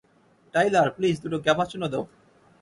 Tyler, please, দুটো cappuccino দাও।